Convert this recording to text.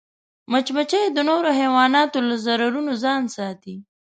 مچمچۍ د نورو حیواناتو له ضررونو ځان ساتي